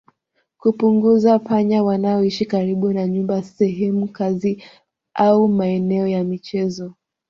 Kupunguza panya wanaoishi karibu na nyumba sehemu kazi au maeneo ya michezo